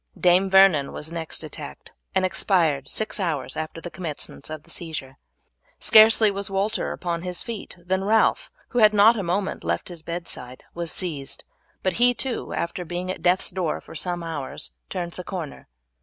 Dame Vernon was next attacked, and expired six hours after the commencement of the seizure. Scarcely was Walter upon his feet than Ralph, who had not for a moment left his bedside, was seized, but he too, after being at death's door for some hours, turned the corner.